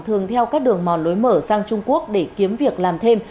thường theo các đường mòn lối mở sang trung quốc để kiếm việc làm thêm